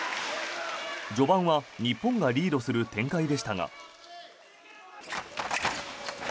序盤は日本がリードする展開でしたが。